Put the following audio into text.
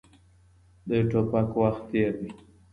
د ټوپک وخت تېر دی.